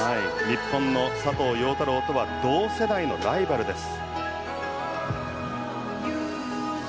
日本の佐藤陽太郎とは同世代のライバルです。